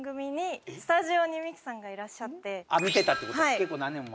結構何年も前？